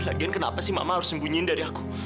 lagian kenapa sih mama harus sembunyiin dari aku